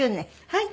はい。